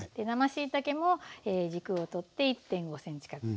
生しいたけも軸を取って１．５ｃｍ角。